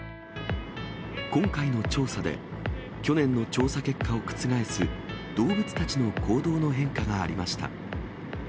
今回の調査で、去年の調査結果を覆す動物たちの行動の変化がありました。